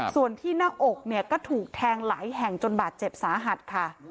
ส่วนที่หน้าอกเนี่ยก็ถูกแทงหลายแห่งจนบาดเจ็บสาหัสค่ะ